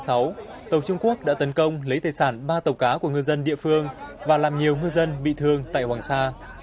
tàu trung quốc đã tấn công lấy tài sản ba tàu cá của ngư dân địa phương và làm nhiều ngư dân bị thương tại hoàng sa